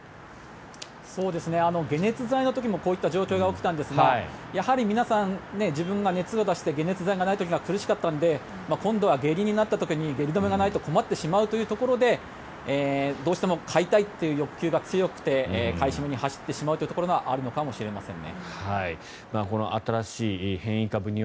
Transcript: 解熱剤の時もこういった状況が起きたんですがやはり皆さん、自分が熱を出して解熱剤がない時は苦しかったので今度は下痢になった時に下痢止めがないと困ってしまうというところでどうしても買いたいという欲求が強くて買い占めに走ってしまうところがあるのかもしれませんね。